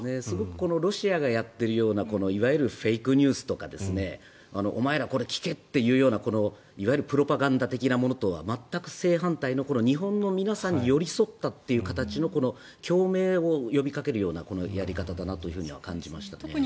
すごくロシアがやっているようないわゆるフェイクニュースとかお前ら、これ聞けというようなプロパガンダ的なものとは全く正反対の、日本の皆さんに寄り添ったって形の共鳴を呼びかけるようなやり方だなと感じましたね。